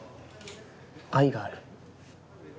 愛がある。